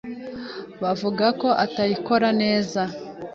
bumva ko atayikora neza,